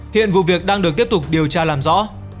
hiện vụ việc đang được tiếp tục điều tra làm rõ